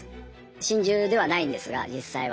真珠ではないんですが実際は。